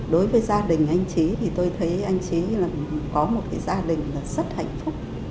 đối với gia đình anh trí thì tôi thấy anh trí là có một gia đình rất hạnh phúc